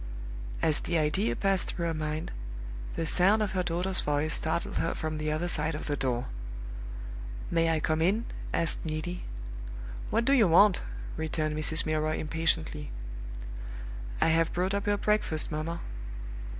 As the idea passed through her mind, the sound of her daughter's voice startled her from the other side of the door. "May I come in?" asked Neelie. "What do you want?" returned Mrs. Milroy, impatiently. "I have brought up your breakfast, mamma."